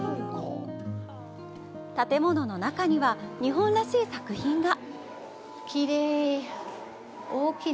建物の中には日本らしい作品が。